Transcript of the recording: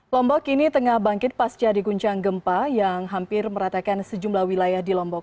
lombok ini tengah bangkit pasca diguncang gempa yang hampir meratakan sejumlah wilayah di lombok